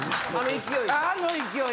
あの勢い。